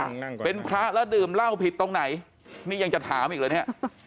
นั่งเป็นพระแล้วดื่มเหล้าผิดตรงไหนนี่ยังจะถามอีกเหรอเนี้ย